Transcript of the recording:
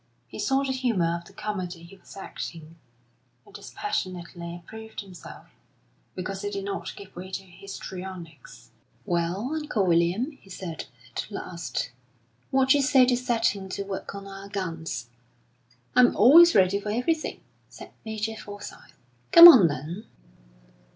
He saw the humour of the comedy he was acting, and dispassionately approved himself, because he did not give way to histrionics. "Well, Uncle William," he said, at last, "what d'you say to setting to work on our guns?" "I'm always ready for everything," said Major Forsyth. "Come on, then."